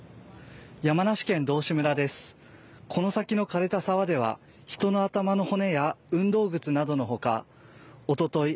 この先の枯れた沢では人の頭の骨や運動靴などのほかおととい